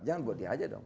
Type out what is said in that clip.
jangan buat dia aja dong